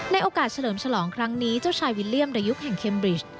โอกาสเฉลิมฉลองครั้งนี้เจ้าชายวิลเลี่ยมในยุคแห่งเคมบริช